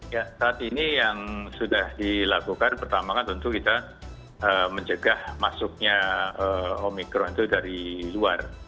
ya saat ini yang sudah dilakukan pertama kan tentu kita mencegah masuknya omikron itu dari luar